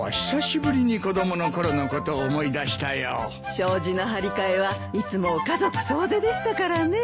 障子の張り替えはいつも家族総出でしたからねえ。